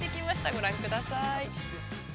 ご覧ください。